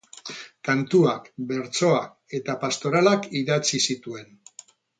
Kantuak, bertsoak eta pastoralak idatzi zituen.